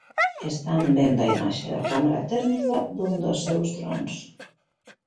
Están vendo a imaxe da cámara térmica dun dos seus drons.